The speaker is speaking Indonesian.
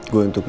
gue untuk jujur